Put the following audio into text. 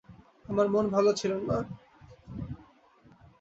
আমার মন ভালো ছিল না।